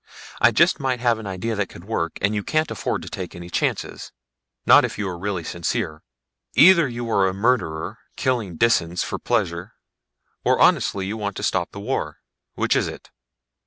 I just might have an idea that could work, and you can't afford to take any chances not if you are really sincere. Either you are a murderer, killing Disans for pleasure, or you honestly want to stop the war. Which is it?"